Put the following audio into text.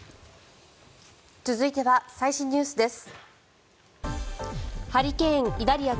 続いては最新ニュースです。